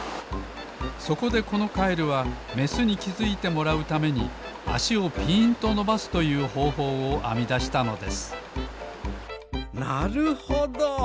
そこでこのカエルはメスにきづいてもらうためにあしをぴーんとのばすというほうほうをあみだしたのですなるほど。